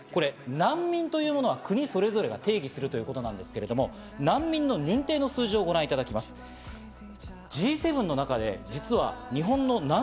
難民というものは国それぞれが定義するということなんですけど難民の認定の数字をご覧いただきたいと思います。